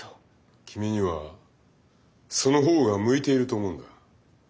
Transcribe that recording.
君にはその方が向いていると思うんだ。